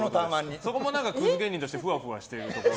そこもクズ芸人としてふわふわしてる。